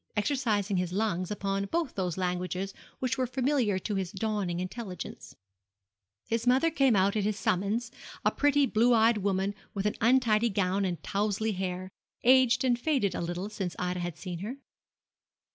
exercising his lungs upon both those languages which were familiar to his dawning intelligence. His mother came out at his summons, a pretty, blue eyed woman with an untidy gown and towzley hair, aged and faded a little since Ida had seen her.